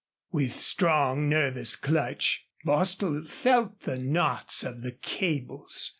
With strong, nervous clutch Bostil felt the knots of the cables.